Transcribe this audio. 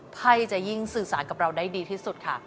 ไพ่จะยิ่งสื่อสารกับเราได้ดีที่สุดค่ะ